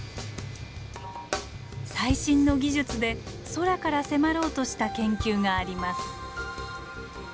最新の技術で空から迫ろうとした研究があります。